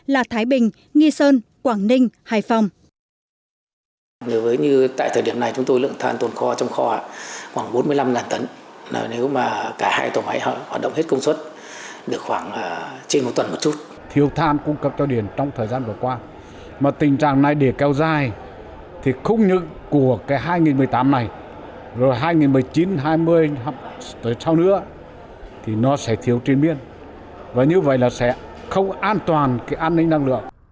là thái bình nghi sơn quảng ninh hải phòng